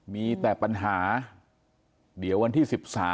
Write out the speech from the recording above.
มีแต่ปัญหาเดี๋ยววันที่๑๓